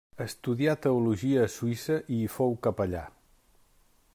Estudià teologia a Suïssa i hi fou capellà.